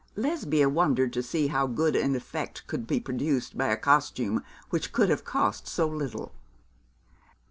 Lesbia wondered to see how good an effect could be produced by a costume which could have cost so little.